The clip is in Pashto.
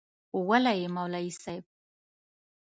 وله يي مولوي صيب